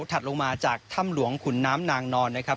ถัดลงมาจากถ้ำหลวงขุนน้ำนางนอนนะครับ